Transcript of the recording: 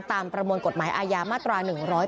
ประมวลกฎหมายอาญามาตรา๑๔